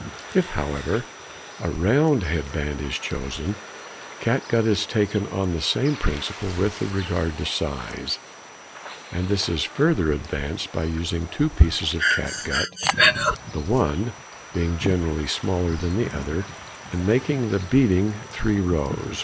If, however, a round head band is chosen, cat gut is taken on the same principle with regard to size, and this is further advanced by using two pieces of cat gut, the one |84| being generally smaller than the other, and making with the beading three rows.